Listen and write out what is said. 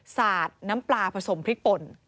สาดน้ำปลาผสมพริกป่น